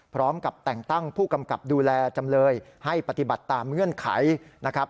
พร้อมกับแต่งตั้งผู้กำกับดูแลจำเลยให้ปฏิบัติตามเงื่อนไขนะครับ